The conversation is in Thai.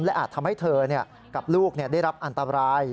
และอาจทำให้เธอกับลูกได้รับอันตราย